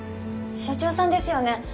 署長さんですよね？